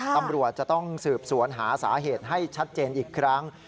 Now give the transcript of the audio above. ตำรวจจะต้องสืบสวนหาสาเหตุให้ชัดเจนอีกครั้ง